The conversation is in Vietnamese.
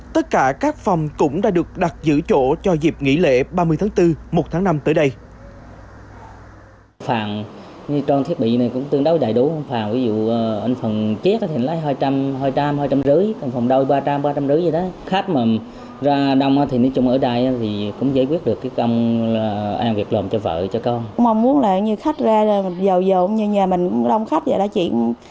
tất cả các phòng cũng đã được đặt giữ chỗ cho dịp nghỉ lễ ba mươi tháng bốn một tháng năm tới đây